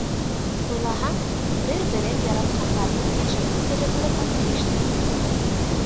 Уйлаһаң, бер-берен яратҡандарҙың йәшерен сере булырға тейеш тә түгелдер.